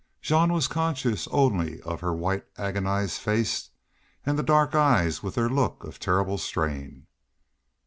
Jean was conscious only of her white, agonized face and the dark eyes with their look of terrible strain.